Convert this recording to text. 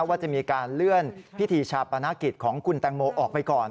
ว่าจะมีการเลื่อนพิธีชาปนกิจของคุณแตงโมออกไปก่อน